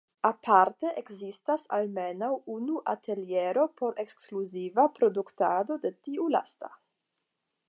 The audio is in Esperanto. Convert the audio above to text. Aparte ekzistas almenaŭ unu ateliero por ekskluziva produktado de tiu lasta.